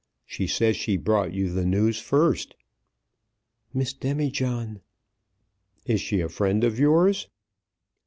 She says she brought you the news first." "Miss Demijohn." "Is she a friend of yours?"